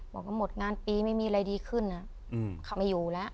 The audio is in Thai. บอกว่าหมดงานปีไม่มีอะไรดีขึ้นเขาไม่อยู่แล้ว